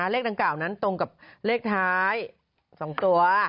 เลขดังกล่าวนั้นตรงกับเลขท้าย๒ตัว